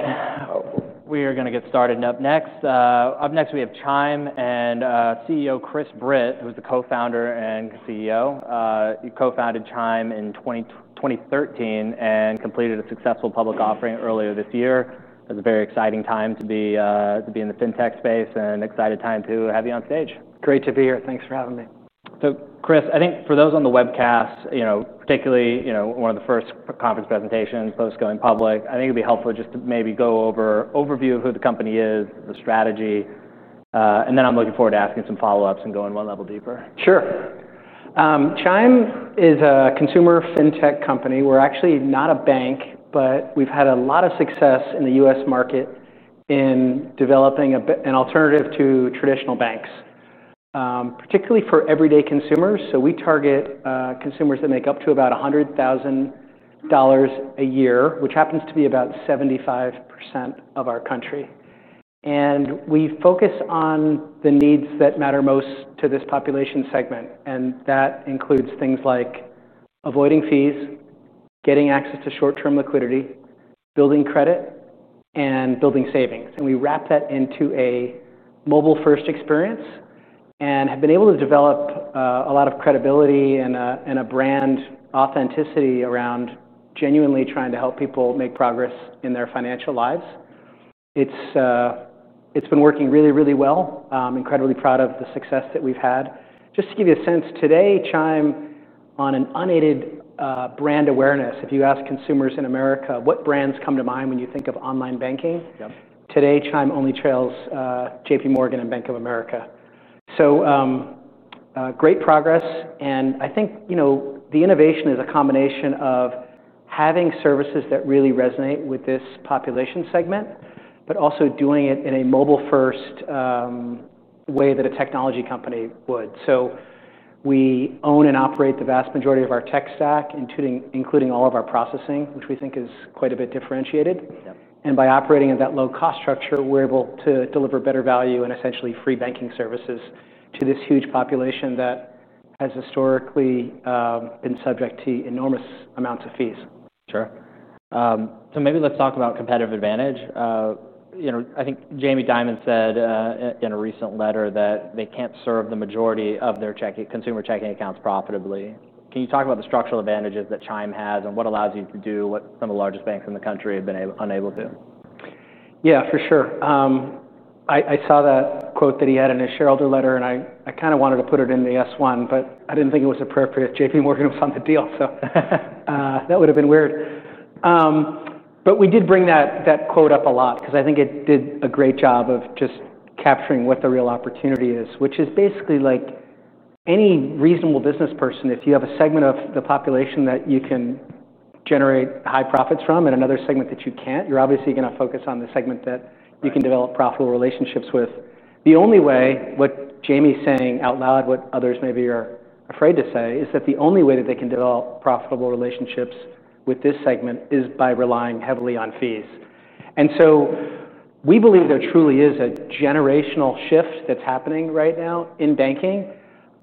All right. We are going to get started. Up next, we have Chime and CEO Chris Britt, who is the Co-Founder and CEO. He co-founded Chime in 2013 and completed a successful public offering earlier this year. It's a very exciting time to be in the fintech space and an exciting time to have you on stage. Great to be here. Thanks for having me. Chris, I think for those on the webcast, particularly one of the first conference presentations post going public, I think it'd be helpful just to maybe go over an overview of who the company is, the strategy, and then I'm looking forward to asking some follow-ups and going one level deeper. Sure. Chime is a consumer fintech company. We're actually not a bank, but we've had a lot of success in the U.S. market in developing an alternative to traditional banks, particularly for everyday consumers. We target consumers that make up to about $100,000 a year, which happens to be about 75% of our country. We focus on the needs that matter most to this population segment. That includes things like avoiding fees, getting access to short-term liquidity, building credit, and building savings. We wrap that into a mobile-first experience and have been able to develop a lot of credibility and a brand authenticity around genuinely trying to help people make progress in their financial lives. It's been working really, really well. I'm incredibly proud of the success that we've had. Just to give you a sense, today, Chime, on an unaided brand awareness, if you ask consumers in America what brands come to mind when you think of online banking, today, Chime only trails JPMorgan Chase and Bank of America. Great progress. I think the innovation is a combination of having services that really resonate with this population segment, but also doing it in a mobile-first way that a technology company would. We own and operate the vast majority of our tech stack, including all of our processing, which we think is quite a bit differentiated. By operating in that low-cost structure, we're able to deliver better value and essentially free banking services to this huge population that has historically been subject to enormous amounts of fees. Sure. Maybe let's talk about a competitive advantage. I think Jamie Dimon said in a recent letter that they can't serve the majority of their consumer checking accounts profitably. Can you talk about the structural advantages that Chime has and what allows you to do what some of the largest banks in the country have been unable to? Yeah, for sure. I saw that quote that he had in his shareholder letter, and I kind of wanted to put it in the S1, but I didn't think it was appropriate. JPMorgan was on the deal, so that would have been weird. We did bring that quote up a lot because I think it did a great job of just capturing what the real opportunity is, which is basically like any reasonable business person, if you have a segment of the population that you can generate high profits from and another segment that you can't, you're obviously going to focus on the segment that you can develop profitable relationships with. What Jamie's saying out loud, what others maybe are afraid to say, is that the only way that they can develop profitable relationships with this segment is by relying heavily on fees. We believe there truly is a generational shift that's happening right now in banking.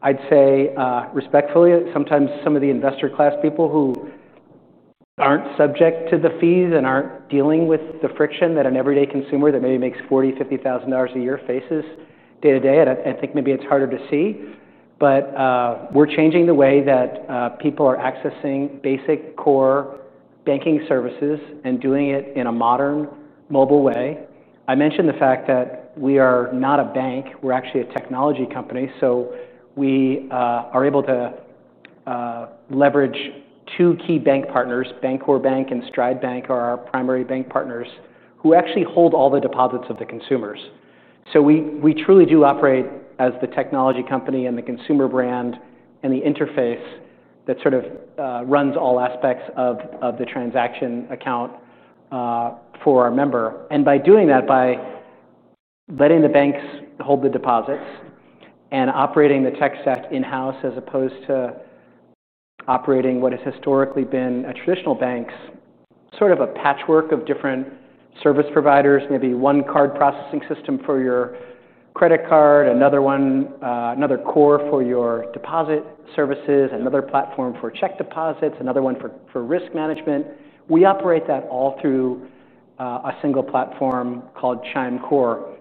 I'd say respectfully, sometimes some of the investor class people who aren't subject to the fees and aren't dealing with the friction that an everyday consumer that maybe makes $40,000, $50,000 a year faces day to day, and I think maybe it's harder to see. We're changing the way that people are accessing basic core banking services and doing it in a modern, mobile way. I mentioned the fact that we are not a bank. We're actually a technology company. We are able to leverage two key bank partners, The Bancorp Bank and Stride Bank, who are our primary bank partners, who actually hold all the deposits of the consumers. We truly do operate as the technology company and the consumer brand and the interface that sort of runs all aspects of the transaction account for our member. By doing that, by letting the banks hold the deposits and operating the tech stack in-house, as opposed to operating what has historically been a traditional bank's sort of a patchwork of different service providers, maybe one card processing system for your credit card, another core for your deposit services, another platform for check deposits, another one for risk management. We operate that all through a single platform called Chime Core.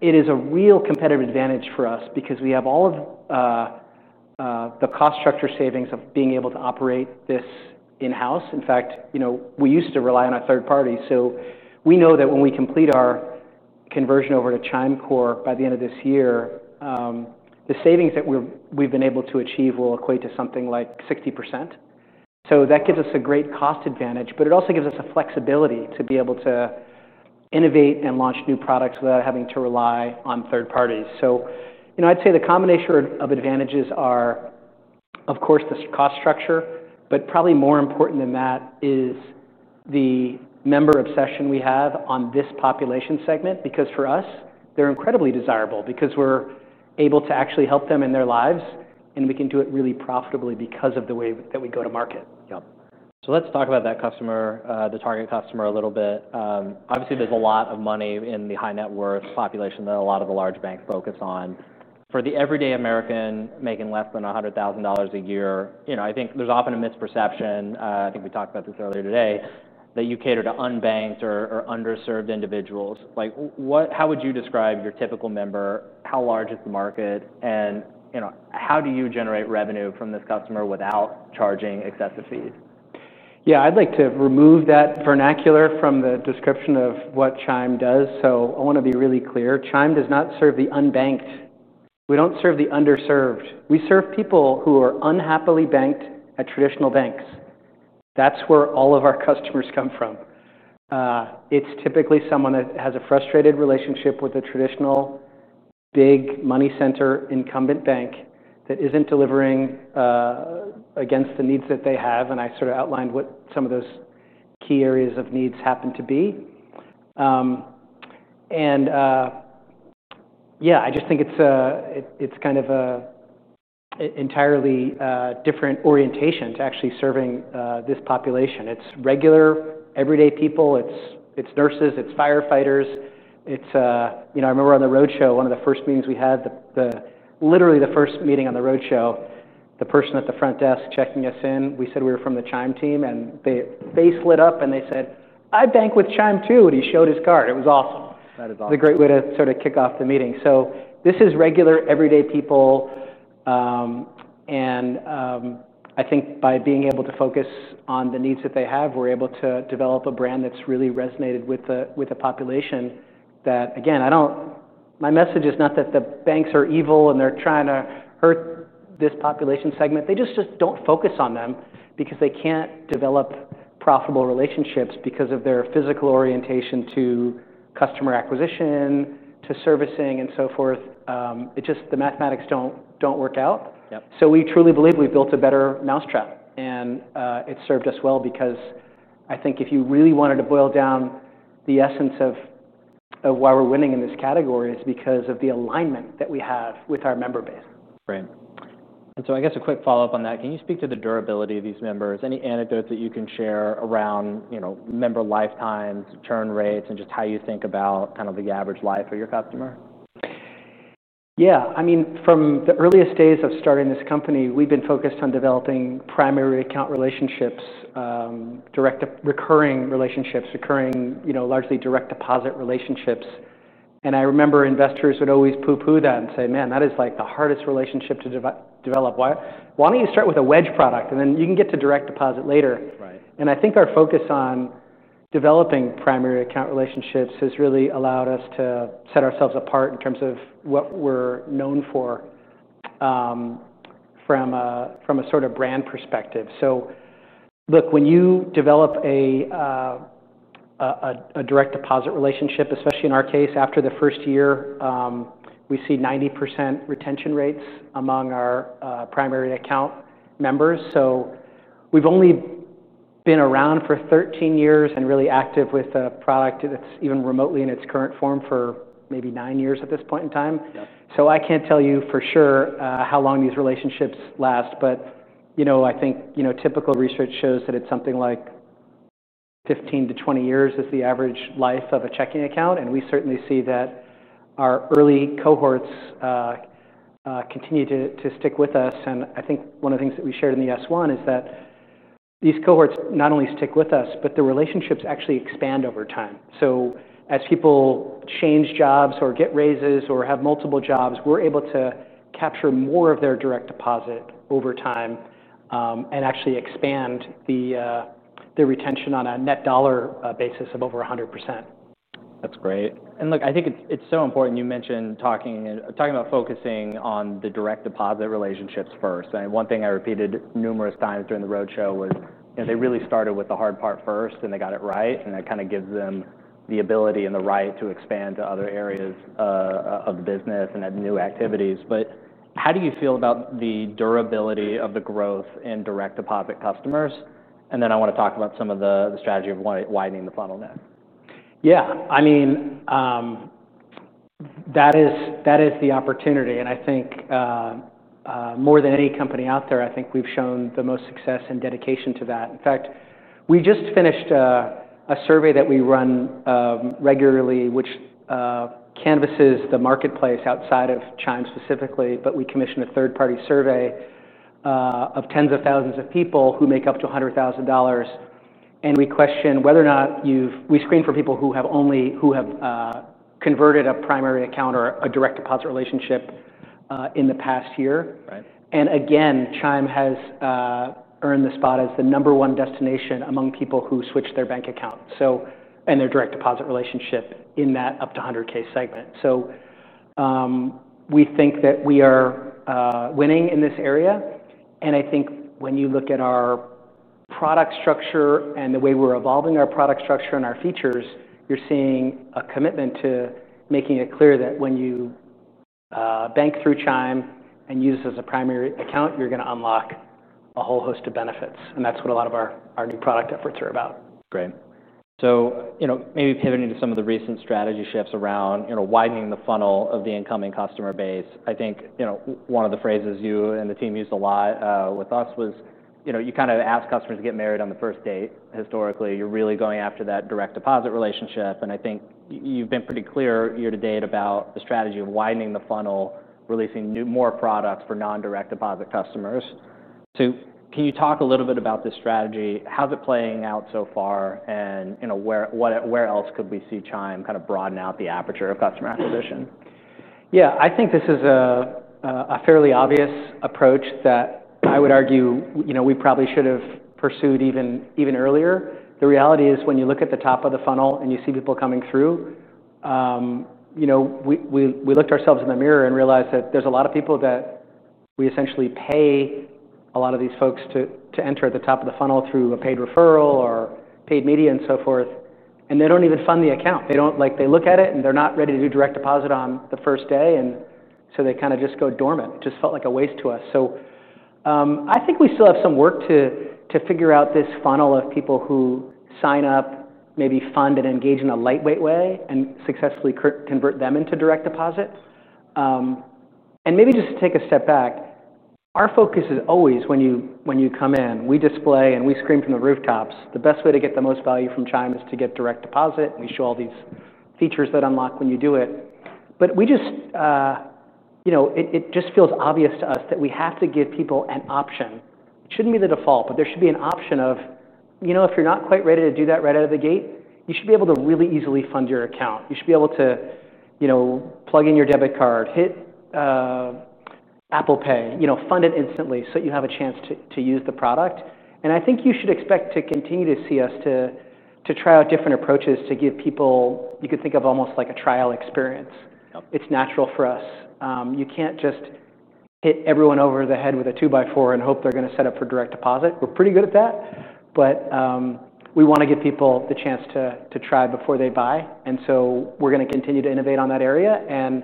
It is a real competitive advantage for us because we have all of the cost structure savings of being able to operate this in-house. In fact, we used to rely on a third party. We know that when we complete our conversion over to Chime Core by the end of this year, the savings that we've been able to achieve will equate to something like 60%. That gives us a great cost advantage, but it also gives us flexibility to be able to innovate and launch new products without having to rely on third parties. I'd say the combination of advantages are, of course, the cost structure, but probably more important than that is the member obsession we have on this population segment because for us, they're incredibly desirable because we're able to actually help them in their lives, and we can do it really profitably because of the way that we go to market. Let's talk about that customer, the target customer, a little bit. Obviously, there's a lot of money in the high net worth population that a lot of the large banks focus on. For the everyday American making less than $100,000 a year, I think there's often a misperception. I think we talked about this earlier today, that you cater to unbanked or underserved individuals. How would you describe your typical member? How large is the market? How do you generate revenue from this customer without charging excessive fees? I'd like to remove that vernacular from the description of what Chime does. I want to be really clear. Chime does not serve the unbanked. We don't serve the underserved. We serve people who are unhappily banked at traditional banks. That's where all of our customers come from. It's typically someone that has a frustrated relationship with a traditional big money center incumbent bank that isn't delivering against the needs that they have. I sort of outlined what some of those key areas of needs happen to be. I just think it's kind of an entirely different orientation to actually serving this population. It's regular everyday people. It's nurses. It's firefighters. I remember on the roadshow, one of the first meetings we had, literally the first meeting on the roadshow, the person at the front desk checking us in, we said we were from the Chime team, and they slid up and they said, "I bank with Chime too." He showed his card. It was awesome. That is awesome. It was a great way to sort of kick off the meeting. This is regular everyday people. I think by being able to focus on the needs that they have, we're able to develop a brand that's really resonated with the population. Again, my message is not that the banks are evil and they're trying to hurt this population segment. They just don't focus on them because they can't develop profitable relationships because of their physical orientation to customer acquisition, to servicing, and so forth. The mathematics just don't work out. We truly believe we've built a better mousetrap. It's served us well because I think if you really wanted to boil down the essence of why we're winning in this category, it's because of the alignment that we have with our member base. Right. I guess a quick follow-up on that. Can you speak to the durability of these members? Any anecdotes that you can share around member lifetimes, churn rates, and just how you think about kind of the average life of your customer? Yeah, I mean, from the earliest days of starting this company, we've been focused on developing primary account relationships, direct recurring relationships, recurring, largely direct deposit relationships. I remember investors would always pooh-pooh that and say, "Man, that is like the hardest relationship to develop. Why don't you start with a wedge product and then you can get to direct deposit later?" I think our focus on developing primary account relationships has really allowed us to set ourselves apart in terms of what we're known for from a sort of brand perspective. When you develop a direct deposit relationship, especially in our case, after the first year, we see 90% retention rates among our primary account members. We've only been around for 13 years and really active with a product that's even remotely in its current form for maybe nine years at this point in time. I can't tell you for sure how long these relationships last, but I think typical research shows that it's something like 15-20 years is the average life of a checking account. We certainly see that our early cohorts continue to stick with us. I think one of the things that we shared in the S1 is that these cohorts not only stick with us, but the relationships actually expand over time. As people change jobs or get raises or have multiple jobs, we're able to capture more of their direct deposit over time and actually expand their retention on a net dollar basis of over 100%. That's great. I think it's so important you mentioned talking about focusing on the direct deposit relationships first. One thing I repeated numerous times during the roadshow was they really started with the hard part first and they got it right. That kind of gives them the ability and the right to expand to other areas of the business and new activities. How do you feel about the durability of the growth in direct deposit customers? I want to talk about some of the strategy of widening the funnel now. Yeah, I mean, that is the opportunity. I think more than any company out there, I think we've shown the most success and dedication to that. In fact, we just finished a survey that we run regularly, which canvasses the marketplace outside of Chime specifically. We commissioned a third-party survey of tens of thousands of people who make up to $100,000. We question whether or not we screen for people who have converted a primary account or a direct deposit relationship in the past year. Chime has earned the spot as the number one destination among people who switch their bank account and their direct deposit relationship in that up to $100,000 segment. We think that we are winning in this area. I think when you look at our product structure and the way we're evolving our product structure and our features, you're seeing a commitment to making it clear that when you bank through Chime and use it as a primary account, you're going to unlock a whole host of benefits. That's what a lot of our new product efforts are about. Great. Maybe pivoting to some of the recent strategy shifts around widening the funnel of the incoming customer base, I think one of the phrases you and the team used a lot with us was you kind of ask customers to get married on the first date. Historically, you're really going after that direct deposit relationship. I think you've been pretty clear year to date about the strategy of widening the funnel, releasing more products for non-direct deposit customers. Can you talk a little bit about this strategy? How's it playing out so far? Where else could we see Chime kind of broaden out the aperture of customer acquisition? Yeah, I think this is a fairly obvious approach that I would argue we probably should have pursued even earlier. The reality is when you look at the top of the funnel and you see people coming through, we looked ourselves in the mirror and realized that there's a lot of people that we essentially pay a lot of these folks to enter at the top of the funnel through a paid referral or paid media and so forth. They don't even fund the account. They look at it and they're not ready to do direct deposit on the first day, so they kind of just go dormant. It just felt like a waste to us. I think we still have some work to figure out this funnel of people who sign up, maybe fund and engage in a lightweight way and successfully convert them into direct deposit. Maybe just to take a step back, our focus is always when you come in, we display and we scream from the rooftops. The best way to get the most value from Chime is to get direct deposit, and we show all these features that unlock when you do it. It just feels obvious to us that we have to give people an option. It shouldn't be the default, but there should be an option of, you know, if you're not quite ready to do that right out of the gate, you should be able to really easily fund your account. You should be able to plug in your debit card, hit Apple Pay, fund it instantly so that you have a chance to use the product. I think you should expect to continue to see us try out different approaches to give people, you could think of almost like a trial experience. It's natural for us. You can't just hit everyone over the head with a two by four and hope they're going to set up for direct deposit. We're pretty good at that. We want to give people the chance to try before they buy. We're going to continue to innovate on that area and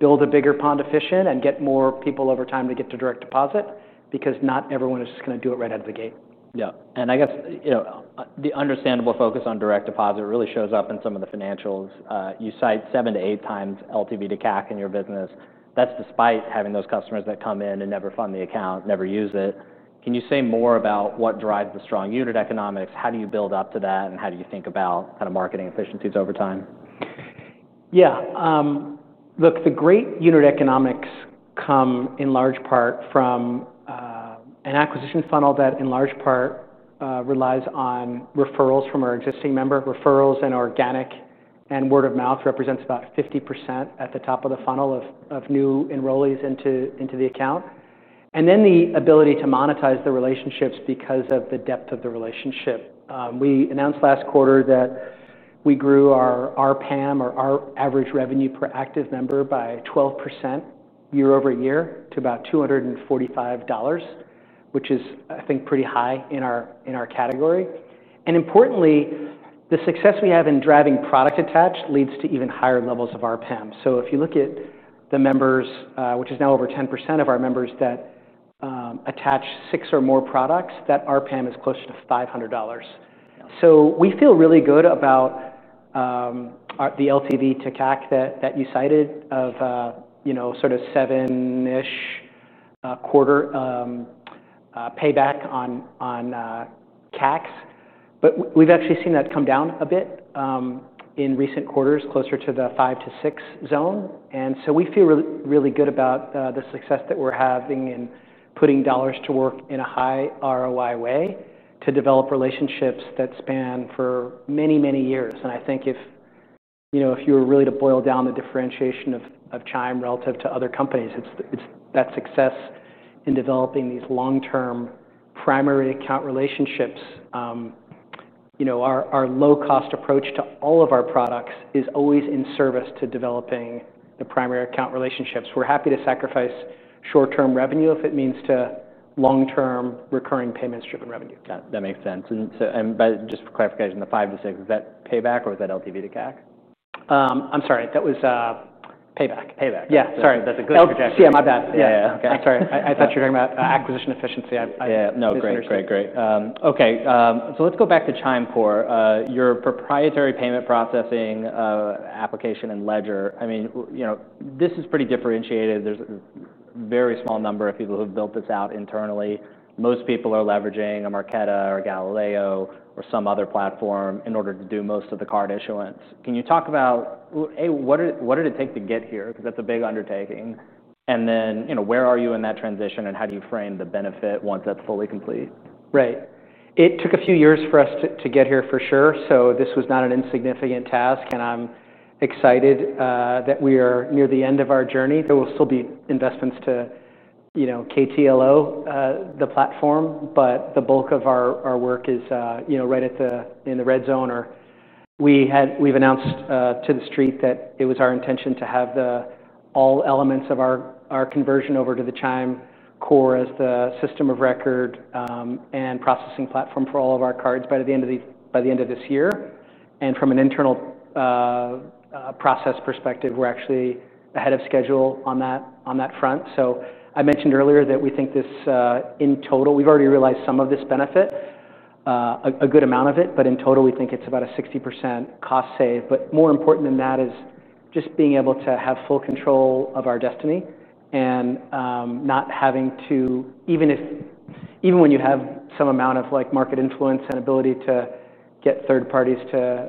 build a bigger pond of fish in and get more people over time to get to direct deposit because not everyone is just going to do it right out of the gate. Yeah. I guess the understandable focus on direct deposit really shows up in some of the financials. You cite 7x-8x LTV to CAC in your business. That's despite having those customers that come in and never fund the account, never use it. Can you say more about what drives the strong unit economics? How do you build up to that? How do you think about kind of marketing efficiencies over time? Yeah. Look, the great unit economics come in large part from an acquisition funnel that in large part relies on referrals from our existing member referrals and organic and word of mouth represents about 50% at the top of the funnel of new enrollees into the account. The ability to monetize the relationships because of the depth of the relationship. We announced last quarter that we grew our ARPAM or our average revenue per active member by 12% year-over-year to about $245, which is, I think, pretty high in our category. Importantly, the success we have in driving product attached leads to even higher levels of ARPAM. If you look at the members, which is now over 10% of our members that attach six or more products, that ARPAM is close to $500. We feel really good about the LTV to CAC that you cited of sort of seven-ish quarter payback on CACs. We've actually seen that come down a bit in recent quarters, closer to the five to six zone. We feel really good about the success that we're having in putting dollars to work in a high ROI way to develop relationships that span for many, many years. I think if you were really to boil down the differentiation of Chime relative to other companies, it's that success in developing these long-term primary account relationships. Our low-cost approach to all of our products is always in service to developing the primary account relationships. We're happy to sacrifice short-term revenue if it means long-term recurring payments driven revenue. That makes sense. Just for clarification, the five to six, is that payback or is that LTV to CAC? I'm sorry, that was payback. Payback. Yeah, sorry. That's a good projection. Yeah, my bad. Yeah, yeah. I'm sorry. I thought you were talking about acquisition efficiency. Yeah, great, great, great. OK, let's go back to Chime Core, your proprietary payment processing application and ledger. This is pretty differentiated. There's a very small number of people who have built this out internally. Most people are leveraging a Marketo or a Galileo or some other platform in order to do most of the card issuance. Can you talk about what did it take to get here? Because that's a big undertaking. Where are you in that transition and how do you frame the benefit once that's fully complete? Right. It took a few years for us to get here for sure. This was not an insignificant task. I'm excited that we are near the end of our journey. There will still be investments to KTLO the platform, but the bulk of our work is right in the red zone. We've announced to the street that it was our intention to have all elements of our conversion over to the Chime Core as the system of record and processing platform for all of our cards by the end of this year. From an internal process perspective, we're actually ahead of schedule on that front. I mentioned earlier that we think this in total, we've already realized some of this benefit, a good amount of it, but in total, we think it's about a 60% cost save. More important than that is just being able to have full control of our destiny and not having to, even when you have some amount of market influence and ability to get third parties to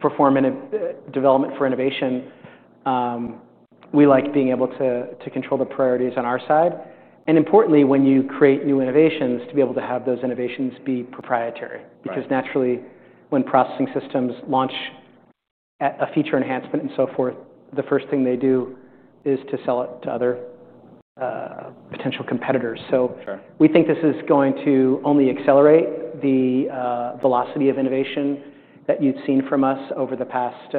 perform in a development for innovation, we like being able to control the priorities on our side. Importantly, when you create new innovations, to be able to have those innovations be proprietary. Naturally, when processing systems launch a feature enhancement and so forth, the first thing they do is to sell it to other potential competitors. We think this is going to only accelerate the velocity of innovation that you've seen from us over the past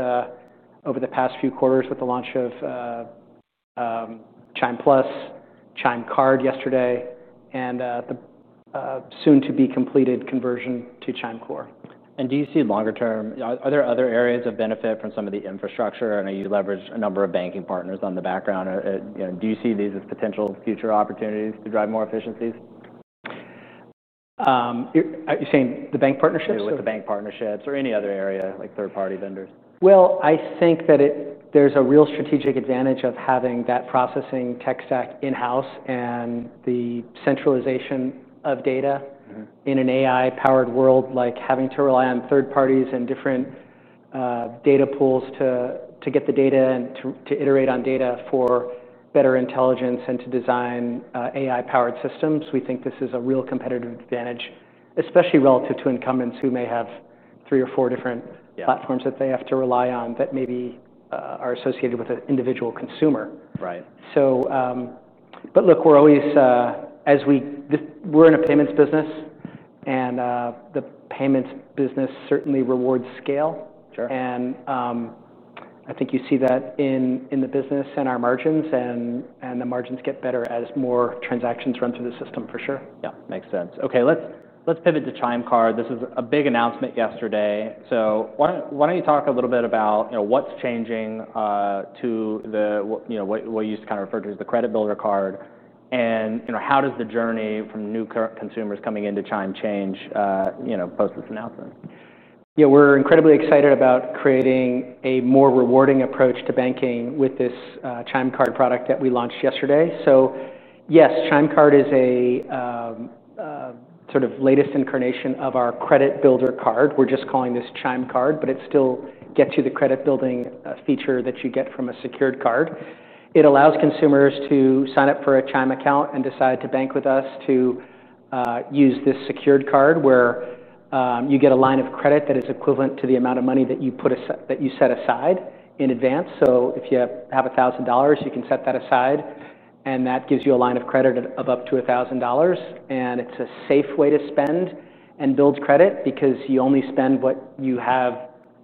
few quarters with the launch of Chime Plus, Chime Card yesterday, and the soon-to-be completed conversion to Chime Core. Do you see longer term? Are there other areas of benefit from some of the infrastructure? I know you leverage a number of banking partners in the background. Do you see these as potential future opportunities to drive more efficiencies? You're saying the bank partnerships? With the bank partnerships or any other area like third-party vendors. I think that there's a real strategic advantage of having that processing tech stack in-house and the centralization of data in an AI-powered world, like having to rely on third parties and different data pools to get the data and to iterate on data for better intelligence and to design AI-powered systems. We think this is a real competitive advantage, especially relative to incumbents who may have three or four different platforms that they have to rely on that maybe are associated with an individual consumer. We're always, as we, we're in a payments business, and the payments business certainly rewards scale. I think you see that in the business and our margins, and the margins get better as more transactions run through the system for sure. Yeah, makes sense. OK, let's pivot to Chime Card. This was a big announcement yesterday. Why don't you talk a little bit about what's changing to the, what you just kind of referred to as the credit builder card, and how does the journey from new consumers coming into Chime change post this announcement? Yeah, we're incredibly excited about creating a more rewarding approach to banking with this Chime Card product that we launched yesterday. Yes, Chime Card is a sort of latest incarnation of our credit builder card. We're just calling this Chime Card, but it still gets you the credit building feature that you get from a secured card. It allows consumers to sign up for a Chime account and decide to bank with us to use this secured card where you get a line of credit that is equivalent to the amount of money that you set aside in advance. If you have $1,000, you can set that aside, and that gives you a line of credit of up to $1,000. It's a safe way to spend and build credit because you only spend what you have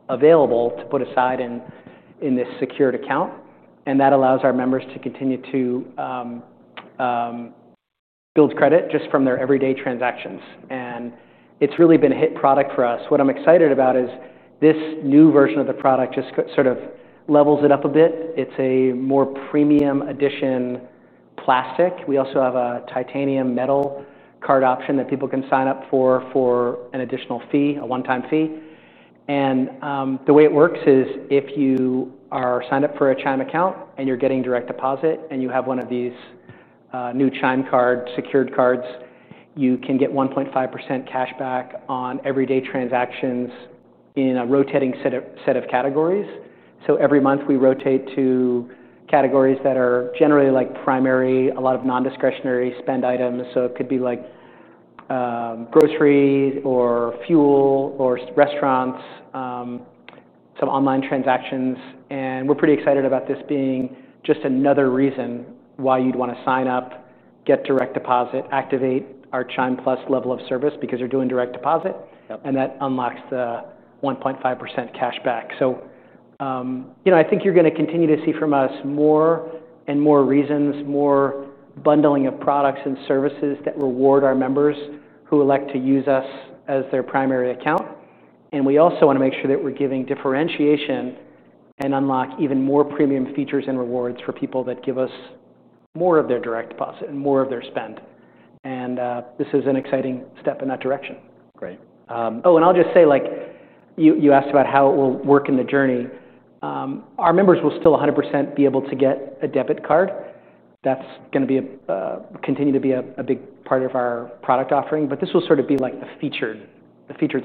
available to put aside in this secured account. That allows our members to continue to build credit just from their everyday transactions. It's really been a hit product for us. What I'm excited about is this new version of the product just sort of levels it up a bit. It's a more premium edition plastic. We also have a titanium metal card option that people can sign up for for an additional fee, a one-time fee. The way it works is if you sign up for a Chime account and you're getting direct deposit and you have one of these new Chime Card secured cards, you can get 1.5% cashback on everyday transactions in a rotating set of categories. Every month we rotate to categories that are generally like primary, a lot of non-discretionary spend items. It could be like groceries or fuel or restaurants, some online transactions. We're pretty excited about this being just another reason why you'd want to sign up, get direct deposit, activate our Chime Plus level of service because you're doing direct deposit, and that unlocks the 1.5% cashback. I think you're going to continue to see from us more and more reasons, more bundling of products and services that reward our members who elect to use us as their primary account. We also want to make sure that we're giving differentiation and unlock even more premium features and rewards for people that give us more of their direct deposit and more of their spend. This is an exciting step in that direction. Great. I'll just say, like you asked about how it will work in the journey. Our members will still 100% be able to get a debit card. That's going to continue to be a big part of our product offering. This will sort of be like a featured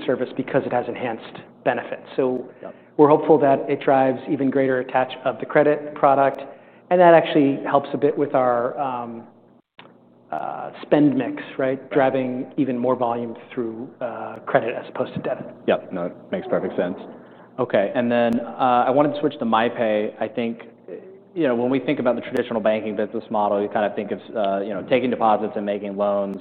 service because it has enhanced benefits. We're hopeful that it drives even greater attach of the credit product. That actually helps a bit with our spend mix, driving even more volume through credit as opposed to debit. Yeah, no, it makes perfect sense. OK, and then I wanted to switch to MyPay. I think when we think about the traditional banking business model, you kind of think of taking deposits and making loans.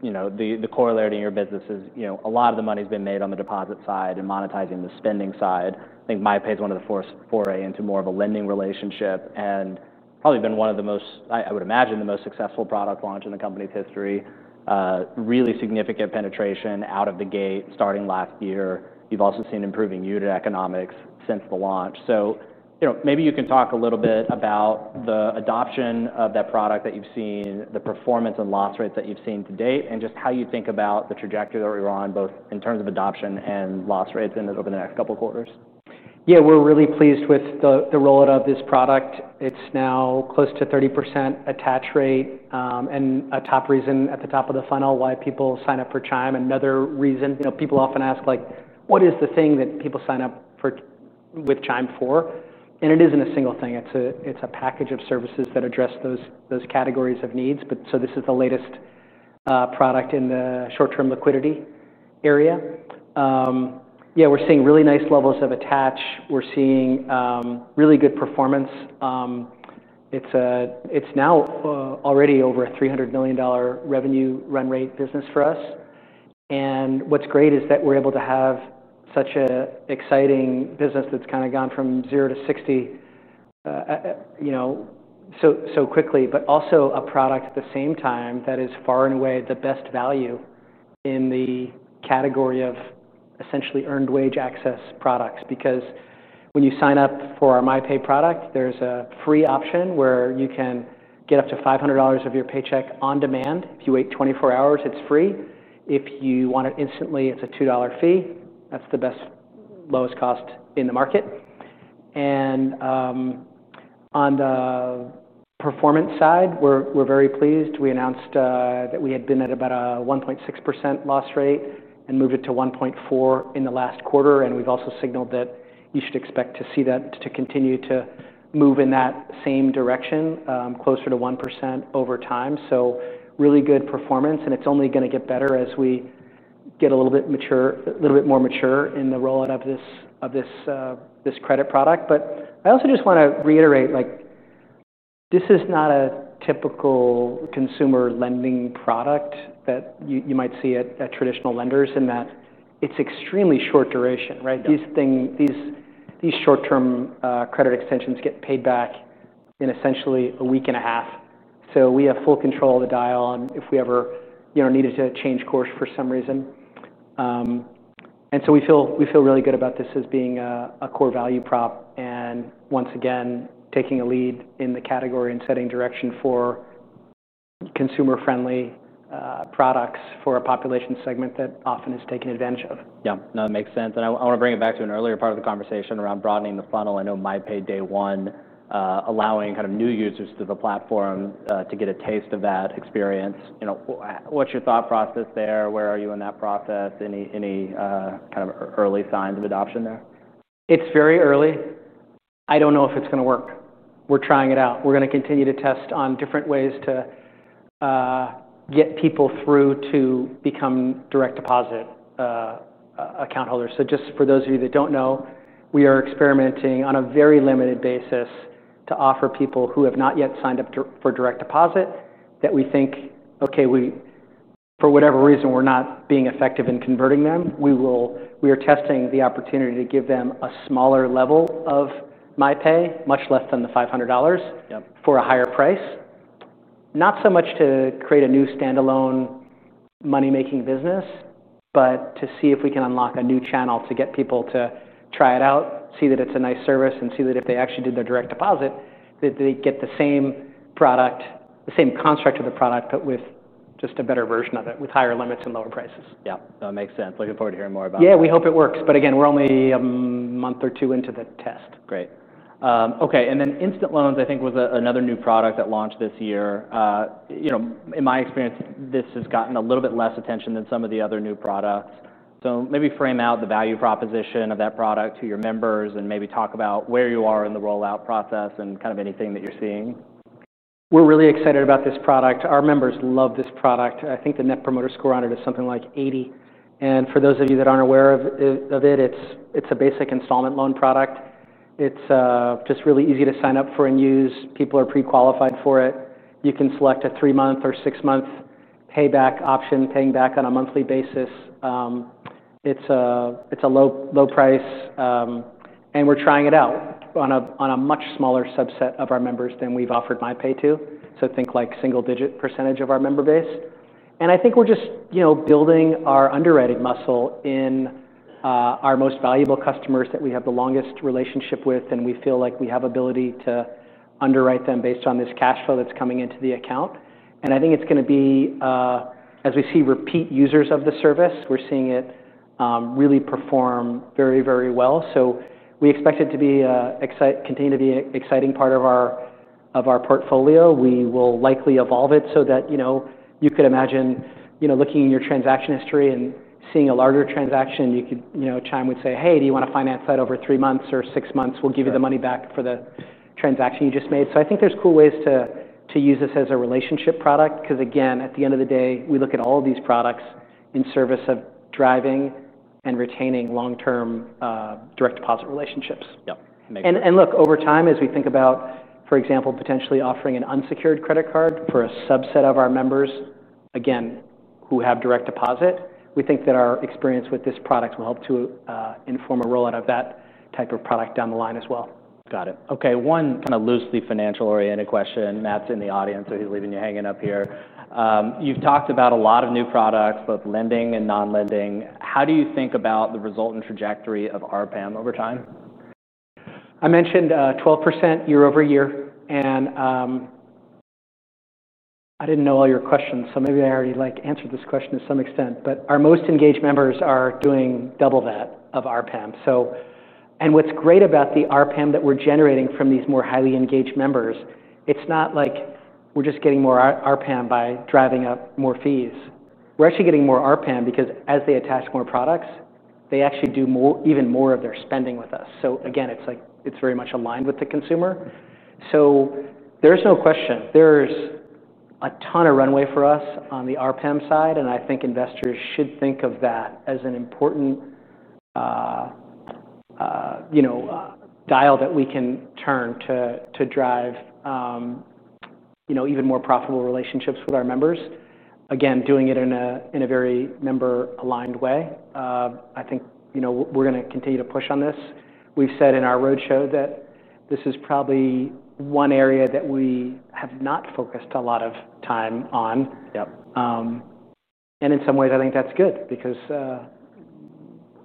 The core of your business is a lot of the money has been made on the deposit side and monetizing the spending side. I think MyPay is one of the first forays into more of a lending relationship and probably been one of the most, I would imagine, the most successful product launch in the company's history. Really significant penetration out of the gate starting last year. You've also seen improving unit economics since the launch. Maybe you can talk a little bit about the adoption of that product that you've seen, the performance and loss rates that you've seen to date, and just how you think about the trajectory that we were on both in terms of adoption and loss rates over the next couple of quarters. Yeah, we're really pleased with the rollout of this product. It's now close to 30% attach rate, and a top reason at the top of the funnel why people sign up for Chime. Another reason, you know, people often ask, like, what is the thing that people sign up with Chime for? It isn't a single thing. It's a package of services that address those categories of needs. This is the latest product in the short-term liquidity area. We're seeing really nice levels of attach. We're seeing really good performance. It's now already over a $300 million revenue run rate business for us. What's great is that we're able to have such an exciting business that's kind of gone from 0-60 so quickly, but also a product at the same time that is far and away the best value in the category of essentially earned wage access products. When you sign up for our MyPay product, there's a free option where you can get up to $500 of your paycheck on demand. If you wait 24 hours, it's free. If you want it instantly, it's a $2 fee. That's the best lowest cost in the market. On the performance side, we're very pleased. We announced that we had been at about a 1.6% loss rate and moved it to 1.4% in the last quarter. We've also signaled that you should expect to see that to continue to move in that same direction, closer to 1% over time. Really good performance, and it's only going to get better as we get a little bit more mature in the rollout of this credit product. I also just want to reiterate, this is not a typical consumer lending product that you might see at traditional lenders in that it's extremely short duration. These short-term credit extensions get paid back in essentially a week and a half. We have full control of the dial on if we ever needed to change course for some reason. We feel really good about this as being a core value prop and once again taking a lead in the category and setting direction for consumer-friendly products for a population segment that often is taken advantage of. Yeah, it makes sense. I want to bring it back to an earlier part of the conversation around broadening the funnel. I know MyPay Day One, allowing kind of new users to the platform to get a taste of that experience. What's your thought process there? Where are you in that process? Any kind of early signs of adoption there? It's very early. I don't know if it's going to work. We're trying it out. We're going to continue to test on different ways to get people through to become direct deposit account holders. For those of you that don't know, we are experimenting on a very limited basis to offer people who have not yet signed up for direct deposit that we think, OK, for whatever reason, we're not being effective in converting them. We are testing the opportunity to give them a smaller level of MyPay, much less than the $500 for a higher price, not so much to create a new standalone money-making business, but to see if we can unlock a new channel to get people to try it out, see that it's a nice service, and see that if they actually did their direct deposit, they get the same product, the same construct of the product, but with just a better version of it, with higher limits and lower prices. Yeah, no, it makes sense. Looking forward to hearing more about it. Yeah, we hope it works. Again, we're only a month or two into the test. Great. OK, Instant Loans, I think, was another new product that launched this year. In my experience, this has gotten a little bit less attention than some of the other new products. Maybe frame out the value proposition of that product to your members and talk about where you are in the rollout process and anything that you're seeing. We're really excited about this product. Our members love this product. I think the Net Promoter Score on it is something like 80. For those of you that aren't aware of it, it's a basic installment loan product. It's just really easy to sign up for and use. People are pre-qualified for it. You can select a three-month or six-month payback option, paying back on a monthly basis. It's a low price. We're trying it out on a much smaller subset of our members than we've offered MyPay to. I think like single-digit % of our member base. I think we're just building our underwriting muscle in our most valuable customers that we have the longest relationship with, and we feel like we have ability to underwrite them based on this cash flow that's coming into the account. I think it's going to be, as we see, repeat users of the service. We're seeing it really perform very, very well. We expect it to continue to be an exciting part of our portfolio. We will likely evolve it so that you could imagine looking in your transaction history and seeing a larger transaction, Chime would say, hey, do you want to finance that over three months or six months? We'll give you the money back for the transaction you just made. I think there's cool ways to use this as a relationship product because, again, at the end of the day, we look at all of these products in service of driving and retaining long-term direct deposit relationships. Over time, as we think about, for example, potentially offering an unsecured credit card for a subset of our members, again, who have direct deposit, we think that our experience with this product will help to inform a rollout of that type of product down the line as well. Got it. OK, one kind of loosely financial-oriented question. Matt's in the audience, so he's leaving you hanging up here. You've talked about a lot of new products, both lending and non-lending. How do you think about the resultant trajectory of ARPAM over time? I mentioned 12% year-over-year. I didn't know all your questions, so maybe I already answered this question to some extent. Our most engaged members are doing double that of ARPAM. What's great about the ARPAM that we're generating from these more highly engaged members, it's not like we're just getting more ARPAM by driving up more fees. We're actually getting more ARPAM because as they attach more products, they actually do even more of their spending with us. It is very much aligned with the consumer. There is no question. There is a ton of runway for us on the ARPAM side. I think investors should think of that as an important dial that we can turn to drive even more profitable relationships with our members, doing it in a very member-aligned way. I think we're going to continue to push on this. We've said in our roadshow that this is probably one area that we have not focused a lot of time on. In some ways, I think that's good because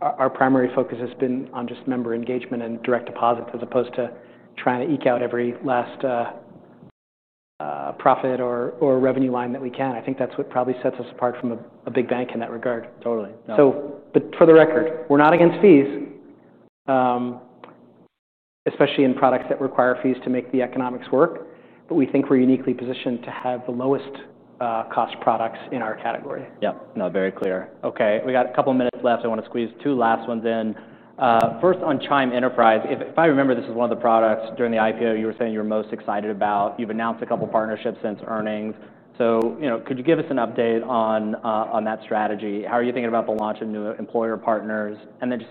our primary focus has been on just member engagement and direct deposits as opposed to trying to eke out every last profit or revenue line that we can. I think that's what probably sets us apart from a big bank in that regard. Totally. For the record, we're not against fees, especially in products that require fees to make the economics work. We think we're uniquely positioned to have the lowest cost products in our category. Yeah, no, very clear. OK, we got a couple of minutes left. I want to squeeze two last ones in. First, on Chime Enterprise, if I remember, this is one of the products during the IPO you were saying you were most excited about. You've announced a couple of partnerships since earnings. Could you give us an update on that strategy? How are you thinking about the launch of new employer partners?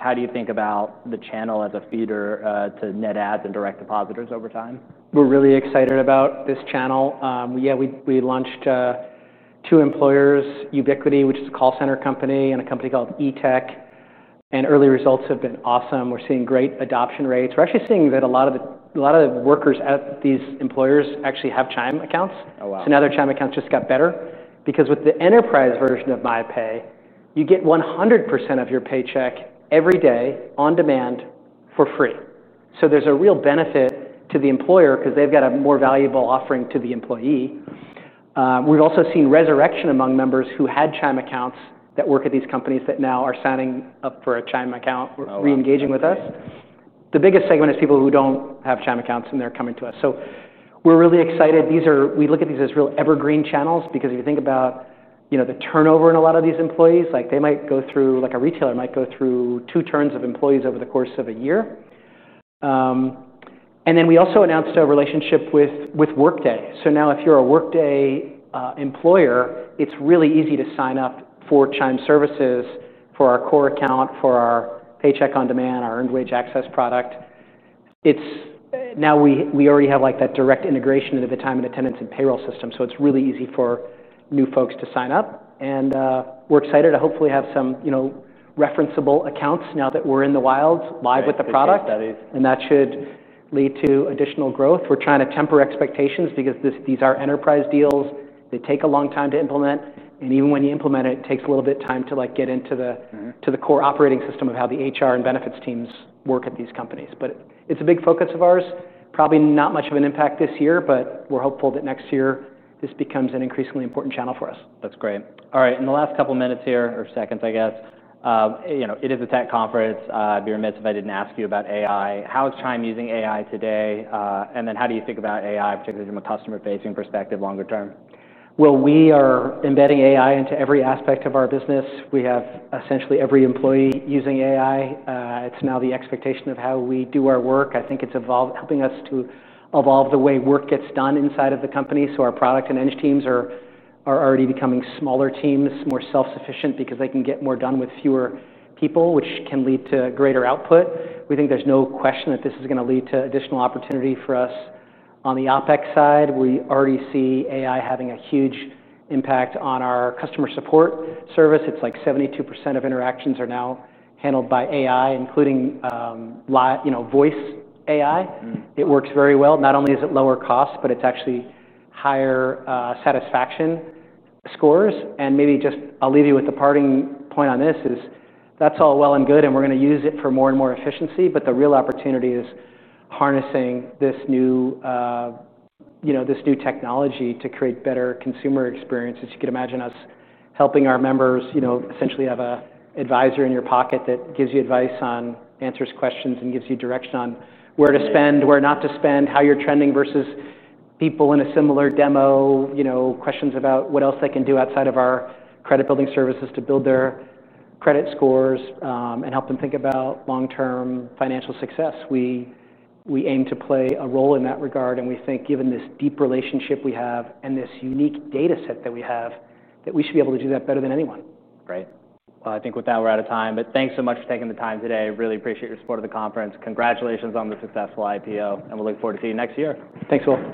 How do you think about the channel as a feeder to net adds and direct depositors over time? We're really excited about this channel. We launched to employers, Ubiquiti, which is a call center company, and a company called Etech. Early results have been awesome. We're seeing great adoption rates. We're actually seeing that a lot of the workers at these employers actually have Chime accounts. Oh, wow. Now their Chime accounts just got better, because with the enterprise version of MyPay, you get 100% of your paycheck every day on demand for free. There is a real benefit to the employer because they've got a more valuable offering to the employee. We've also seen resurrection among members who had Chime accounts that work at these companies that now are signing up for a Chime account, re-engaging with us. The biggest segment is people who don't have Chime accounts and they're coming to us. We're really excited. We look at these as real evergreen channels because if you think about the turnover in a lot of these employees, like they might go through, like a retailer might go through two turns of employees over the course of a year. We also announced a relationship with Workday. Now if you're a Workday employer, it's really easy to sign up for Chime services for our core account, for our paycheck on demand, our earned wage access product. We already have that direct integration into the time and attendance and payroll system, so it's really easy for new folks to sign up. We're excited to hopefully have some referenceable accounts now that we're in the wild, live with the product. That should lead to additional growth. We're trying to temper expectations because these are enterprise deals. They take a long time to implement, and even when you implement it, it takes a little bit of time to get into the core operating system of how the HR and benefits teams work at these companies. It's a big focus of ours. Probably not much of an impact this year, but we're hopeful that next year this becomes an increasingly important channel for us. That's great. All right, in the last couple of minutes here, or seconds, I guess, it is a tech conference. I'd be remiss if I didn't ask you about artificial intelligence. How is Chime using artificial intelligence today? How do you think about artificial intelligence, particularly from a customer-facing perspective longer term? We are embedding artificial intelligence into every aspect of our business. We have essentially every employee using artificial intelligence. It's now the expectation of how we do our work. I think it's helping us to evolve the way work gets done inside of the company. Our product and edge teams are already becoming smaller teams, more self-sufficient because they can get more done with fewer people, which can lead to greater output. There is no question that this is going to lead to additional opportunity for us on the OpEx side. We already see artificial intelligence having a huge impact on our customer support service. It's like 72% of interactions are now handled by artificial intelligence, including voice artificial intelligence. It works very well. Not only is it lower cost, but it's actually higher satisfaction scores. Maybe just I'll leave you with the parting point on this is that's all well and good, and we're going to use it for more and more efficiency. The real opportunity is harnessing this new technology to create better consumer experiences. You could imagine us helping our members, essentially have an advisor in your pocket that gives you advice on answers to questions and gives you direction on where to spend, where not to spend, how you're trending versus people in a similar demo, questions about what else they can do outside of our credit-building services to build their credit scores and help them think about long-term financial success. We aim to play a role in that regard. We think given this deep relationship we have and this unique data set that we have, that we should be able to do that better than anyone. Great. I think with that, we're out of time. Thanks so much for taking the time today. Really appreciate your support of the conference. Congratulations on the successful IPO. We're looking forward to seeing you next year. Thanks, Will.